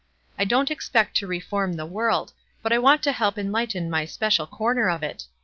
I don't ex pect to reform the world, but I want to help en lighten my special corner of it.